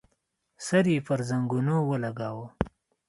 سر يې پر زنګنو ولګاوه.